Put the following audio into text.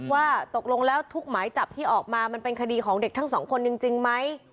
ว่าตกลงแล้วทุกหมายจับที่ออกมามันเป็นคดีของเด็กทั้งสองคนจริงไหม